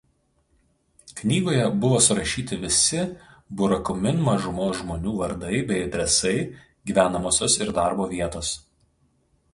Knygoje buvo surašyti visi burakumin mažumos žmonių vardai bei adresai gyvenamosios ir darbo vietos.